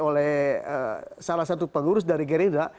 oleh salah satu pengurus dari gerindra